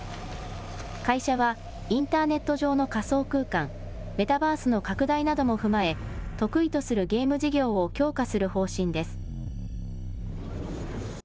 会社はインターネット上の仮想空間、メタバースの拡大なども踏まえ得意とするゲーム事業を強化する方針です。